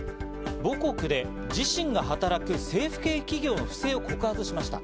母国で自身が働く政府系企業の不正を告発しました。